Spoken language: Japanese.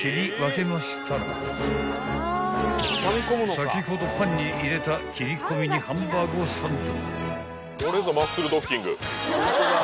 ［先ほどパンに入れた切り込みにハンバーグをサンド］